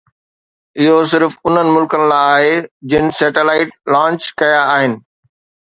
اهو صرف انهن ملڪن لاءِ آهي جن سيٽلائيٽ لانچ ڪيا آهن